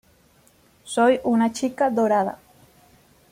Soy una chica dorada.